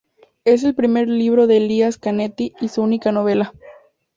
Es el primer libro de Elias Canetti y su única novela.